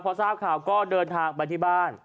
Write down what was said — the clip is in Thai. เขาก็เดินทางไปที่บ้าน